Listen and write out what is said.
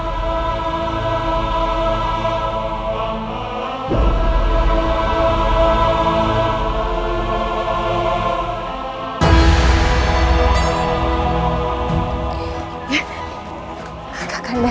ini saya menyebabkan perusahaan kandia